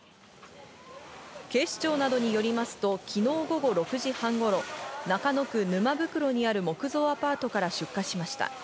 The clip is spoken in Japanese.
警視庁などによりますと、昨日午後６時半頃、中野区沼袋にある木造アパートから出火しました。